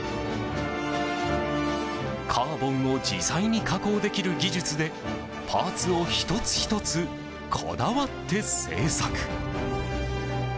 カーボンを自在に加工できる技術でパーツを１つ１つこだわって製作。